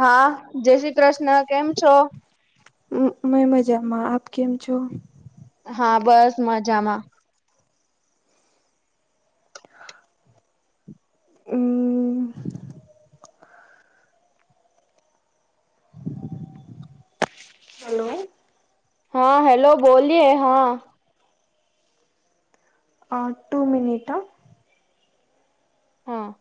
હા, જય શ્રી કૃષ્ણ, કેમ છો? હું મેં મજામાં આપ કેમ છો? હા, બસ મજામાં. અમમ હલો. હા હેલો બોલીએ હા હઅ ટુ મિનિટ હ હા.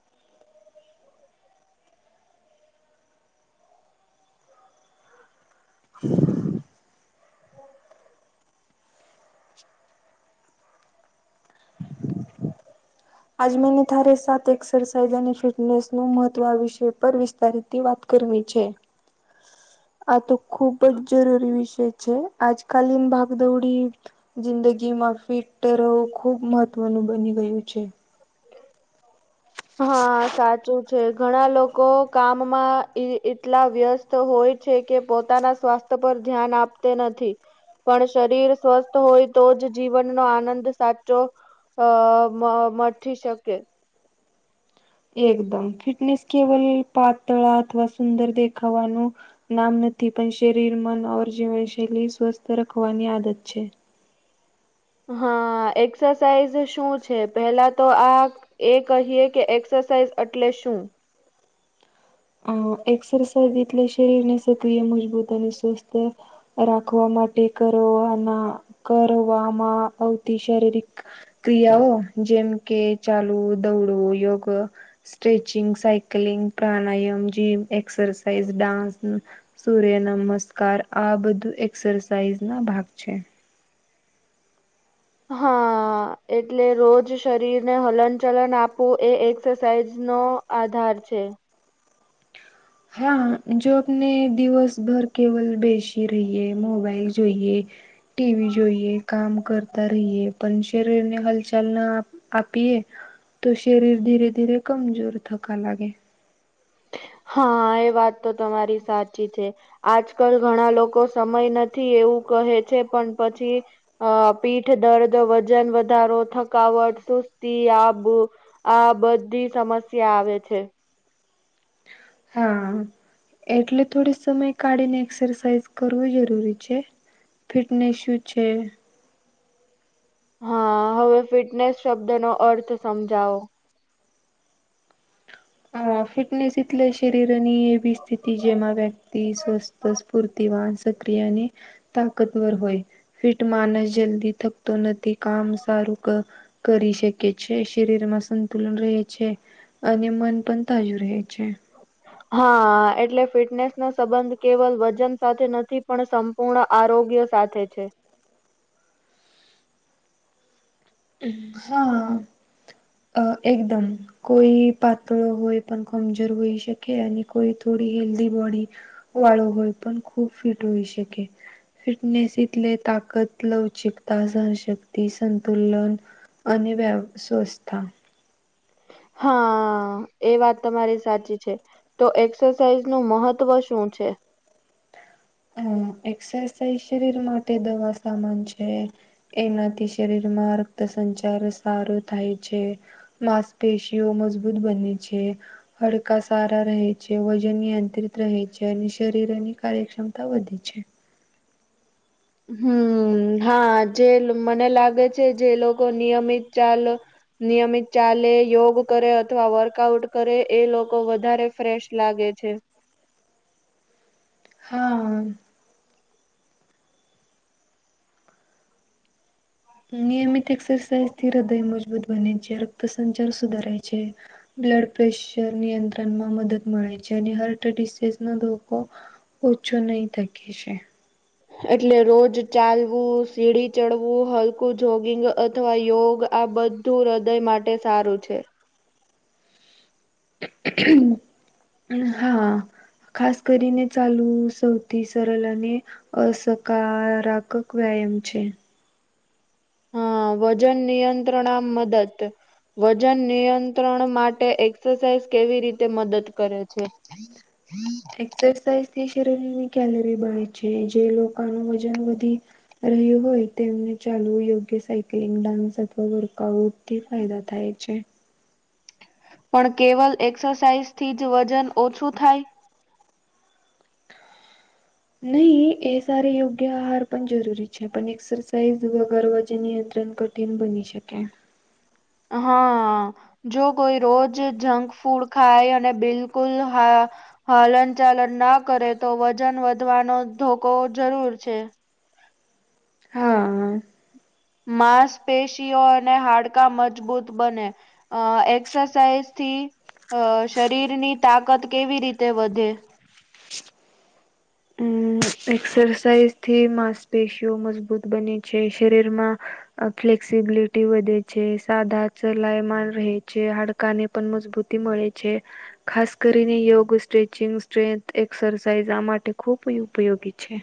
આજ મેને થારે સાતે એક્સરસાઇઝ અને ફિટનેસનું મહત્ત્વ વિષેય પર વિસ્તારથી વાત કરવી છે. આ તો ખુબજ જરૂરી વિષય છે આજકાલ ની ભાગદોડી જિંદગીમાં ફિટ રવું ખૂબ મહત્ત્વનું બની ગયું છે. [inaudible] હા સાચું છે ઘણા લોકો કામમાં એટલા વ્યસ્ત તો હોય છે કે પોતાના સ્વાસ્થ્ય પર ધ્યાન આપતે નથી. પણ શરીર સ્વસ્થ હોય તોજ જીવનનો આનંદ સાચો તો મ મઠી શકે એકદમ ફિટનેસ કેવલ પાતળા અથવા સુંદર દેખાવાનું. નામ નથી પણ શરીર મન ઓર જીવન શૈલી સ્વસ્થ રખવાની આદત છે. હા એક્સરસાઇઝ શું છે પેહલા તો આ એ કહીએ કે એક્સરસાઇઝ એટલે શું? અ એક્સરસાઇઝલે શરીર ને સક્રિય મજબૂત અને સ્વસ્થ રાખવા માટે કરવાના કરવામાં આવતી શારીરિક ક્રિયાઓ જેમ કે ચાલવું દોડવું યોગ સ્ટ્રેચિંગ સાયકલિંગ પ્રાણાયામ જીમ એક્સરસાાઈઝ ડાન્સ સૂર્ય નમસ્કાર આ બધું એક્સરસાઇઝ ના ભાગ છે. હા હ એટલે રોજ શરીર ને હલન ચલન આપવું એ એક્સરસાઇઝ નો આધાર છે. હા જો આપને દિવસભર કેવલ બેસી રહીએ મોબાઈલ જોઈએ. ટીવી જોઈએ કામ કર રહીએ પણ શરીર ને હલચલ ના આપીએે. તો શરીર ધીરે ધીરે કમજોર થકા લાગે. હા એ વાત તો તમારી સાચી છે. આજકાલ ઘણા લોકો સમય નથી એવું કહે છે પણ પછી અ પીઠ દર્દ વજન વધારો થકાવટ સુસ્તી આબુ આ બધી સમસ્યા આવે છે. હા એટલે થોડો સમય કાઢીને એક્સરસાઇઝ કરવી જરૂરી છે. ફિટનેસ યુ છે. હા હવે ફિટનેસ શબ્દ નો અર્થ સમજાવ. હ ફિટનેસ એટલે શરીરની એવી સ્થિતિ જેમાં વ્યક્તિ સ્વસ્થ તસફૂરતિ વાહન સક્રિય અને તાકતવર હોય. ફિટ માનસ જલ્દી થકતો નથી કામ સારું ક કરી શકે છે શરીર માં સંતુલન રહે છે અને [unintelligible] છે. હા એટલે ફિટનેસ નો સંબંધ કેવલ વજન સાથે નથી પણ પૂર્ણ આરોગ્ય સાથે છે. હા અ એકદમ. કોઈ પાતળો હોય પણ કમજોર હોય શકે અને કોઈ થોડી હેલ્દી બોડી વાળો હોય પણ ખૂબ ફિટ હોઈ શકે. ફિટનેસલે તાકત લવચિકતા સનશક્તિ સંતુલ ન અને વ સ્વસ્થ. હા એ વાત તમારી સાચી છે. તો એક્સરસાઇઝ નું મહત્વ શું છે. હમ એક્સરસાઇઝ શરીર માટે દવા સામાન છે. એનાથી શરીર માં રક્ત સંચાર સારૂ થાય છે. માંસપેશીઓ મજબૂત બને છે. હડકા સારા રહે છે વજન નિયંત્રિત રહે છે અને શરીરની કાર્યક્ષમ તા વધે છે. હમ હા જે મને લાગે છે જે લોકો નિયમિત ચાલ નિયમિત ચાલે યોગ કરે અથવા વર્કઆઉટ કરે એ લોકો વધારે ફ્રેશ લાગે છે. હા. નિયમિત એક્સરસાઇઝથી હૃદય મજબૂત બને છે રક્ત સંચાર સુધારાય છે. બ્લડ પ્રેશર નિયંત્રણમાં મદદ મળે છે અને હાર્ટ ડસીઝ ન ધોકો. ઓછું નહી થકે છે. એટલે રોજ ચાલવું સીડી ચડવું હલકું જોગિંગ અથવા યોગ આ બધ. તુ હૃદય માટે સારું છે. હા. ખાસ કરીને ચાલવું સૌથી સરળ અને અકારાત્ક વ્યાયામ છે. હા વજન નિયંત્રણામાં મદદ વજન નિયંત્રણ માટે એક્સરસાઇઝ કેવી રીતે મદદ કરે છે. [unintelligible] એક્સરસાઇઝથી શરીરની કેલરી બ છે જે લોકોનું વજન વધી. રહ્યું હોય તેમને ચાલવું યોગ્ય સાયકલિંગ ડાન્સ અથવા વર્કઆઉટ. થી ફાયદા થાય છે. પણ કેવલ એક્સરસાઇઝ થી જ વજન ઓછું થાય. નહી એ સ યોગ્ય આહાર પણ જરૂરી છે પણ એક્સરસાઇઝ વગરવ જે નિયંત્રણ કર. કિન બની શકે. હા. જો કોઈ રોજ જંક ફૂડ ખાય અને બિલકુલ હા. હાલન ચાલન ના કરે તો વજન વધવાનો ધોકો જરૂર છે. હા. માંસપેશીઓ અને હાડકા મજબૂત બને. અ એક્સરસાઇઝ થી અ શરીરની તાકાત કેવી રીતે વધે. એક્સરસાઇઝ થી માંસપેશીઓ મજબૂત બને છે શરીરમાં. ફ્લેક્સિબિલિટી વધે છે સાધા ચલાયમાન રહે છે હાડકાને. પણ મજબૂતી મળે છે. ખાસ કરીને યોગ સ્ટ્રેચિંગ સ્ટથ એસરસાઝ આ માટે ખૂબ. ઉપયોગી છે.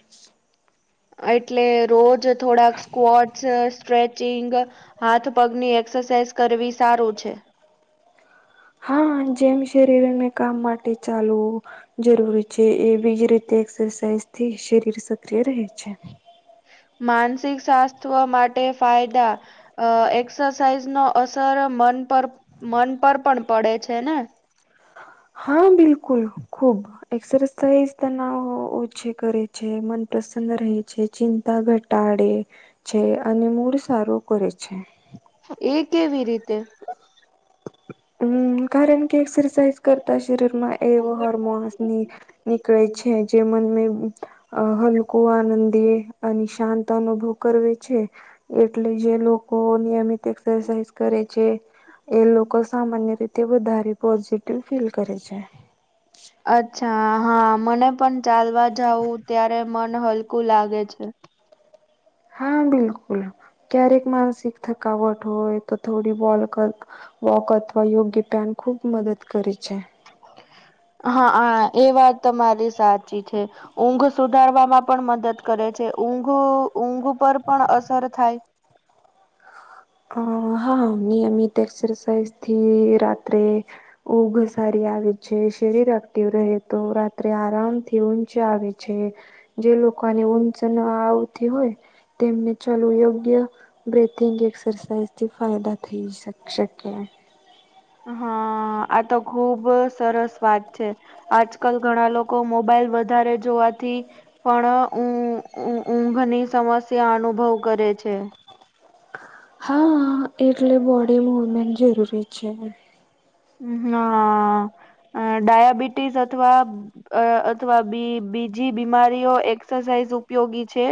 એટલે રોજ થોડાક સ્કોટ્સ છે સ્ટ્રેચ. સ્ટેચ હાથ પગની એક્સરસાઇઝ કરવી સારું છે હા જેમ શરીર ને કામ માટે ચાલવું. જરૂરી છે એ બીજ રીતે એક્સરસાઇઝ થી શરીર સક્રિય રહે છે. માનસિક સ્થવ માટે ફાયદા. અ એક્સરસાઇઝ નો અસર મન પર મન પર પણ પડે છે ને. હા બિલકુલ ખુબ. એક્સરસાઇઝ તના ઓછી કરે છે મન પ્રસન્ંદ રહે છે. ચિંતા ઘટાડે છે અને મૂળ સારો કરે છે. એ કેવી રીતે. હમ કારણ કે એક્સરસાઇઝ કરતા શરીર માં એવ હર્મોન. ની નીકળે છે જે મન મે. અ હલકો આનંદી અને શાંત અનુભવ કરવે છે. એટલે જે લોકો નિયમિત એક્સરસાઇઝ કરે છે એ લોકો. સામાન્ય રીતે વધારે પોઝિટિવ ફીલ કરે છે. અચ્છા હા મને પણ ચાલવા જવું ત્યારે મન હલકું લાગે છે. હા બિલકુલ ક્યારેક માનસિક થકાવટ હોય તો થોડી બોલ કર. વોક અથવા યોગ્ય પન ખૂબ મદદ કરે છે. હા હા એ વાત તમારી સાચી છે. ઊંઘ સુધારવામાં પણ મદદ કરે છે ઊંઘ ઊંઘ પર પણ અસર થાય. અ હા ની અમ એક્સરસાઇઝ થી રાત્રે ઊઘ સારી આવે છે શરીર એક્ટિવ રહે તો રાત્રે આરામથી ઊંચ આવે છે. જે લોકોની ઊંઘ ન આવતી હોય. તેમને ચાલુ યોગ્ય બથિંગ. એક્સરસાઇઝથી ફાયદા થઈ શ શકે. હા આ તો ખુબ સરસ વાત છે. આજકાલ ઘણા લોકો મોબાઈલ વધારે જોવાથી. પણ ઊંઘ ની સમસ્યા અનુભવ કરે છે. હા એટલે બોડી મુવમેન્ટ જરૂરી છે ને હમ્મ ના ડયાબિટીસ અથવા અ અથવા બી બીજી બીમારીઓ એક્સસાઇઝ ઉપયોગી છે.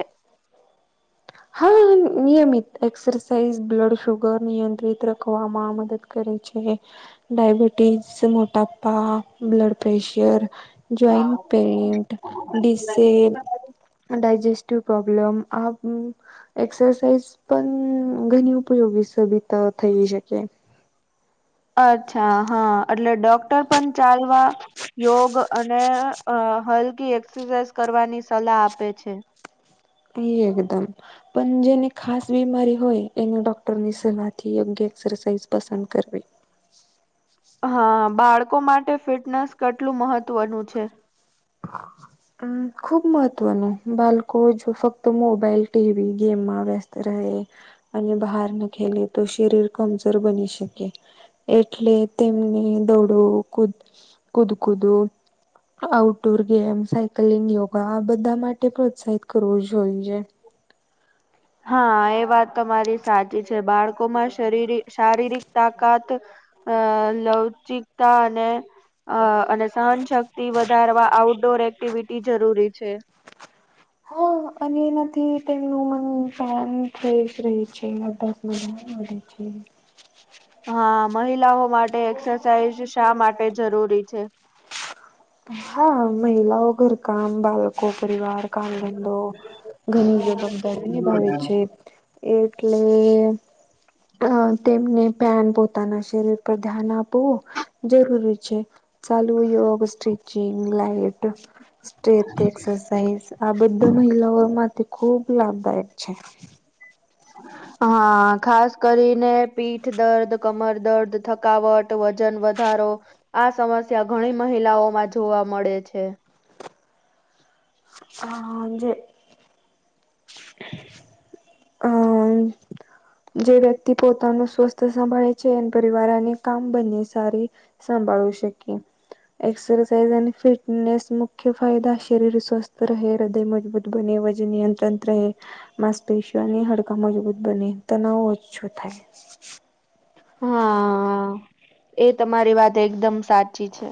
હા નિયમિત એક્સરસાઇઝ બ્લડ શુગર નિયંત્રિત રાખવામાં મદદ કરે છે ડાાયબિટીઝ મોટાપા બ્લડ પ્રેશર જોઈન્ટ પેન્ટન્ટ ડીસે ડાયજેસ્ટિવ પ્રોબ્લેમ આવુ એક્સરસાઇઝ પણ ઘણી ઉપયોગી સબિતા થઈ શકે અચ્છા હા એટલે ડોક્ટર પણ ચાલવા યોગ અને અ હલકી એક્સરસાઇઝ કરવાની સલાહ આપે છે. થી એકદમ પણ જેની ખાસ બીમારી હોય એને ડૉક્ટરની સલાહથી યોગ્ય એક્સરસાઇઝ પસંદ કરવી હા બાળકો માટે ફિટનેસ કેટલું મહત્વનું છે. હા [inaudible] હમ્મ ખૂબ મહત્ત્વનું બાળકો જો ફક્ત મોબાઈલ ટીવી ગેમમાં વ્યસ્ત રહે અને બહાર નુ ખેલી તો શરીર કમજોર બની શકે એટલે તેમને દોડો કુદ કુદ કુદું આઉટડોર ગેમ સાયકલિંગ યોગા આ બધા માટે પ્રોત્સાહિત કરવું જોઈએ. હા એ વાત તમારી સાચી છે બાળકોમાં શરીર શારીરિક તાકાત અ લવચિકતા અને અ અને સહનશક્તિ વધારવા આઉટડોર એક્ટિવિટી જરૂરી છે. હા અને એ નથી તેમનું મન ફ્રેશ રહે છે. હમ્મ બને છે. હા મહિલાઓ માટે એક્સરસાઇઝ શા માટે જરૂરી છે. હા મહિલાઓ ઘર કામ બાળકો પરિવાર કામ ધંધો ઘરની જવાબદારી નિભાવે છે એટલે અ તેમને ધ્યાન પોતાના શરીર પર ધ્યાન આપવું જરૂરી છે. ચાલુ યોગ સ્ટિચિંગ લાઈટ સ્ટથ એક્સરસાઇઝ આ બધા મહિલાઓ માટે ખૂબ લાભદાયક છે. [inaudible] હા ખાસ કરીને પીઠ દર્દ કમર દર્દ થકાવટ વજન વધારો આ સમસ્યા ઘણી મહિલાઓમાં જોવા મળે છે. હા જે અ જે વ્યક્તિ પોતાનું સ્વાસ્થ્ય સંભાળે છે એ પરિવાર અને કામ બંને સારી સંભાડુ શકીએ. એક્સરસાઇઝ અને ફિટનેસ મુખ્ય ફાયદા શરીર સ્વસ્થ રહે હૃદય મજબૂત બંને બાજુ નિયંત્રણ રહે માંસ પેશીઓની હાડકા મજબૂત બને તનાવ ઓછો થાય હા એ તમારી વાત એકદમ સાચી છે.